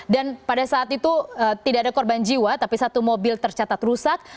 dan pada saat itu tidak ada korban jiwa tapi satu mobil tercatat rusak